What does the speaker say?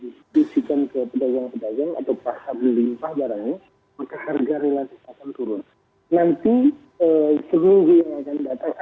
yang kondisinya sedang banyak untuk bisa dipasuk ke daerah daerah yang permintaan tinggi seperti jambul tati